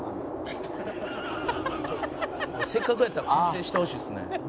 「ハハハハハ」「せっかくやったら完成してほしいですね」